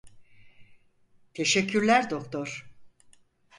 Teşekkürler doktor.